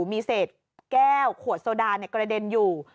มีเศษแก้วขวดโซดากระเด็นอยู่